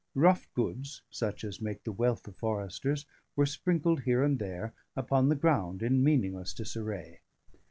Rough goods, such as make the wealth of foresters, were sprinkled here and there upon the ground in meaningless disarray.